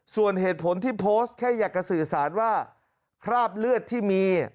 ส่วนเหตุผลที่โพสต์แค่อยากจะสื่อสารว่าคราบเลือดที่มี